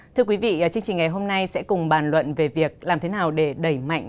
thưa quý vị chương trình ngày hôm nay sẽ cùng bàn luận về việc làm thế nào để đẩy mạnh